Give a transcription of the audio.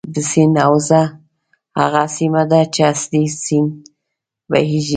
د سیند حوزه هغه سیمه ده چې اصلي سیند بهیږي.